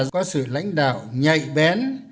có sự lãnh đạo nhạy bén